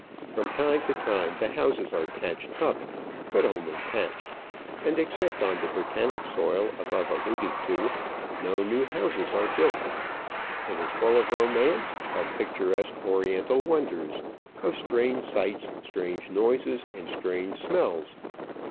From time to time the houses are patched up, but only patched; and, except on the Britannic soil above alluded to, no new houses are built. It is full of romance, of picturesque oriental wonders, of strange sights, strange noises, and strange smells.